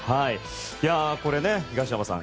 これ、東山さん